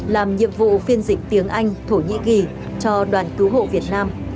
làm nhiệm vụ phiên dịch tiếng anh thổ nhĩ kỳ cho đoàn cứu hộ việt nam